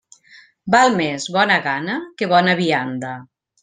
Val més bona gana que bona vianda.